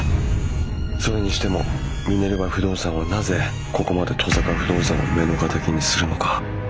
それにしてもミネルヴァ不動産はなぜここまで登坂不動産を目の敵にするのか？